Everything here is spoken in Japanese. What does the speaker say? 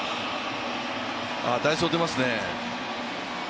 代走出ますね。